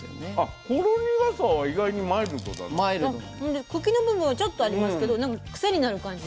で茎の部分はちょっとありますけどなんかクセになる感じ。